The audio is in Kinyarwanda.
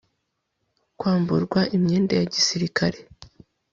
kwamburwa imyenda ya gisirikare